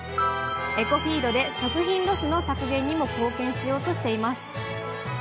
エコフィードで食品ロスの削減にも貢献しようとしています。